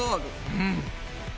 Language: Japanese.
うん！